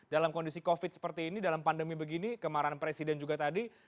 dalam kondisi covid seperti ini dalam pandemi begini kemarahan presiden juga tadi